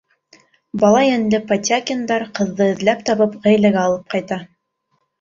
Бала йәнле Потякиндар, ҡыҙҙы эҙләп табып, ғаиләгә алып ҡайта.